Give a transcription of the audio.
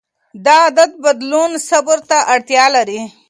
د عادت بدلون صبر ته اړتیا لري.